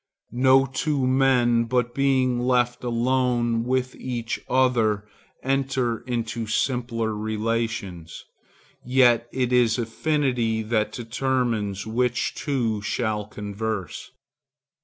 No two men but being left alone with each other enter into simpler relations. Yet it is affinity that determines which two shall converse.